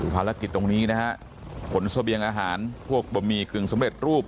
ภารกิจตรงนี้นะฮะขนเสบียงอาหารพวกบะหมี่กึ่งสำเร็จรูป